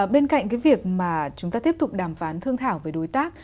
bên cạnh cái việc mà chúng ta tiếp tục đàm phán với lại phía đối tác